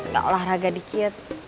gak olahraga dikit